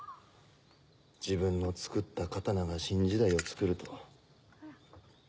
自分の作った刀が新時代をつくると。